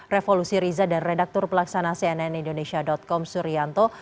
revolusi riza dan redaktur pelaksana cnn indonesia com suryanto